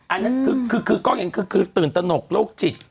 อันนั้นคือกล้องอย่างคือตื่นตนกโรคจิต